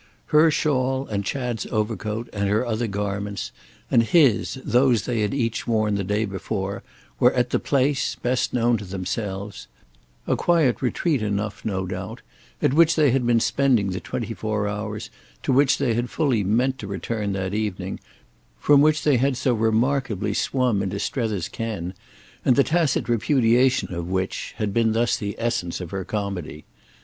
Her shawl and Chad's overcoat and her other garments, and his, those they had each worn the day before, were at the place, best known to themselves—a quiet retreat enough, no doubt—at which they had been spending the twenty four hours, to which they had fully meant to return that evening, from which they had so remarkably swum into Strether's ken, and the tacit repudiation of which had been thus the essence of her comedy.